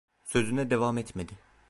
Sözüne devam etmedi.